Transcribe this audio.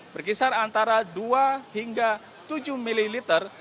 berkisar antara dua hingga tujuh mililiter